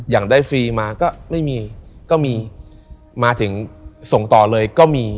อย่างได้ฟรีมาก็ไม่มีก็มีมาถึงส่งต่อเลยก็มี